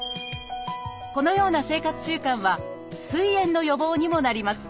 このような生活習慣はすい炎の予防にもなります。